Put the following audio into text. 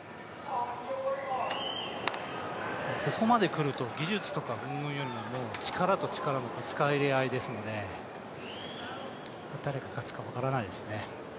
ここまで来ると技術とかうんぬんよりも力と力のぶつかり合いなので誰が勝つか分からないですね。